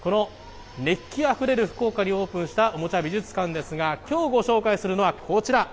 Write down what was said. この熱気あふれる福岡にオープンした、おもちゃ美術館ですが、きょうご紹介するのはこちら。